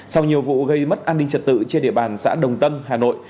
sau nhiều vụ gây mất an ninh trật tự trên địa bàn xã đồng tâm hà nội